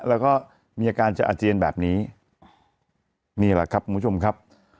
แล้วก็มีอาการจะอาเจียนแบบนี้นี่แหละครับคุณผู้ชมครับ